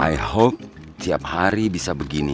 i hawk tiap hari bisa begini